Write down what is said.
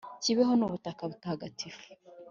Kibeho ni ubutaka butagatifu.